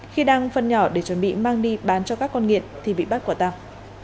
khi đăng phân nhỏ để chuẩn bị mang đi bán cho các con nghiện thì bị bắt quả tăng